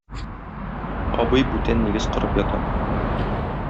Абый бүтән нигез корып ята.